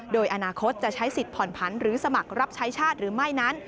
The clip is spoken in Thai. โดยอนาคตจะใช้สิทธิ์ผ่อนผันหรือสมัครรับใช้ชาติหรือไม่นั้น